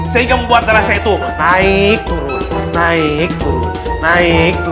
sehingga membuat rasa itu naik turun naik turun naik